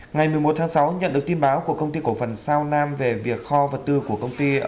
ngày một mươi một tháng sáu nhận được tin báo của công ty cổ phần sao nam về việc kho và tư của các đối tượng